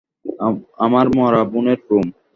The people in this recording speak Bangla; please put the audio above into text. আমার মরা বোনের রূম।